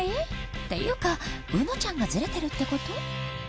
ていうかうのちゃんがズレてるってこと？